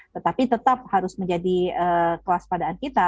tetapi tetap harus menjadi kewaspadaan kita